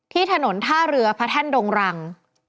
ที่ถนนท่าเรือพระแท่นดงรัง